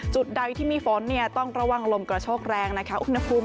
จุดใดที่มีฝนต้องระวังลมกระโชกแรงนะคะอุณหภูมิ